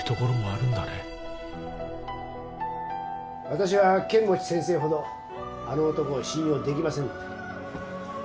私は剣持先生ほどあの男を信用できませんので